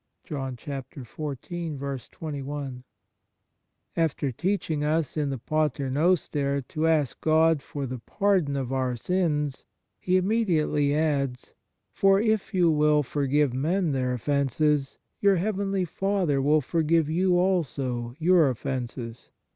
| After teaching us, in the Pater noster, to ask God for the pardon of our sins, He immediately adds :" For if you will forgive men their offences, your heavenly Father will forgive you also your offences.